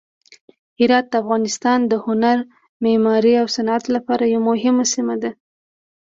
هرات د افغانستان د هنر، معمارۍ او صنعت لپاره یوه مهمه سیمه ده.